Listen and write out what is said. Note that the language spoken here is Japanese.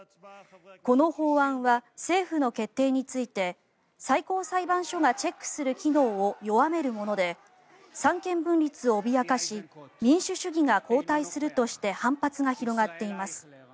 この法案は政府の決定について最高裁判所がチェックする機能を弱めるもので三権分立を脅かし民主主義が後退するとして反発が広がっています。